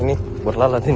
ini berlala sih